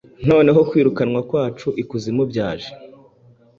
noneho kwirukanwa kwacu ikuzimu byaje